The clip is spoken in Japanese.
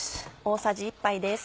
大さじ１杯です。